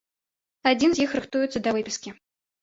Адзін з іх рыхтуецца да выпіскі.